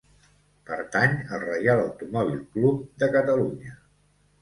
Pertany al Reial Automòbil Club de Catalunya.